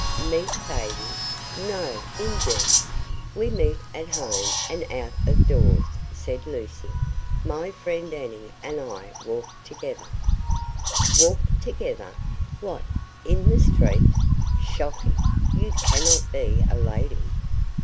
"Meet bathing! No, indeed! We meet at home, and out of doors," said Lucy; "my friend Annie and I walk together." "Walk together! what, in the street? Shocking! You cannot be a lady."